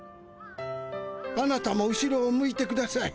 あなたも後ろを向いてください。